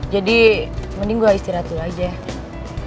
jadi mending gue istirahat dulu aja ya